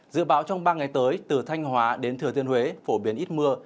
dự báo trong ba ngày tới từ thanh hóa đến thừa thiên huế phổ biến ít mưa